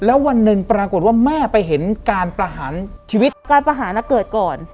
แล้ววันหนึ่งปรากฏว่าแม่ไปเห็นการประหารชีวิตการประหารเกิดก่อน